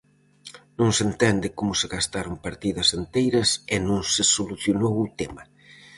Non se entende como se gastaron partidas enteiras e non se solucionou o tema.